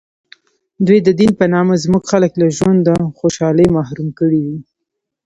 دوی د دین په نامه زموږ خلک له ژوند و خوشحالۍ محروم کړي دي.